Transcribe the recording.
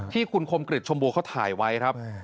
ที่คุณคมกริจชมบัวเขาถ่ายไว้ครับ